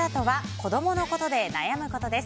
子供のことで悩むことです。